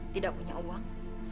tidak punya uang